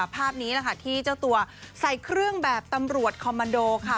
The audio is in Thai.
ภาพนี้แหละค่ะที่เจ้าตัวใส่เครื่องแบบตำรวจคอมมันโดค่ะ